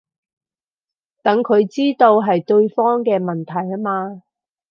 等佢知道係對方嘅問題吖嘛